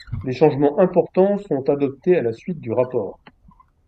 Des changements importants sont adoptés à la suite du rapport.